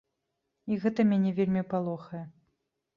І гэта мяне вельмі палохае.